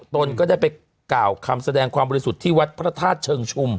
ตนก็ได้ไปกล่าวคำแสดงความบริสุทธิ์ที่วัดพระธาตุเชิงชุม